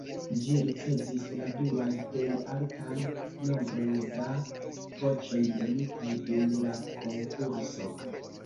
Ĝi ricevis la duan plej altan nombron da voĉoj donitaj dum la konkurso.